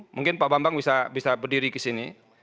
mungkin pak bambang bisa berdiri ke sini